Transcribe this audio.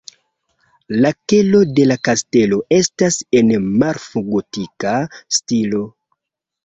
La kelo de la kastelo estas en malfrugotika stilo.